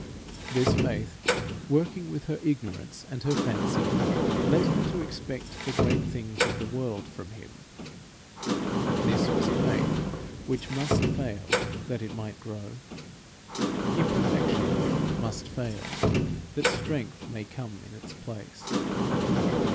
This faith, working with her ignorance and her fancy, led her to expect the great things of the world from him. This was a faith which must fail that it might grow. Imperfection must fail that strength may come in its place.